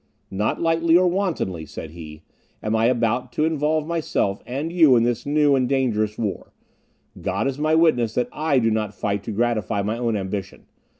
"Not lightly or wantonly," said he, "am I about to involve myself and you in this new and dangerous war; God is my witness that I do not fight to gratify my own ambition.